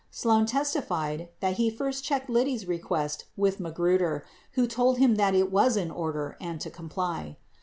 4 Sloan testified that he first checked Liddy 's request with Magruder, who told him that it was in order and to comply.